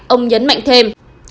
ông nhấn mạnh thêm